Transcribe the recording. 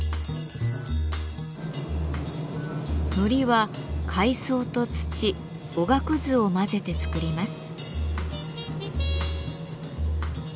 糊は海藻と土おがくずを混ぜて作ります。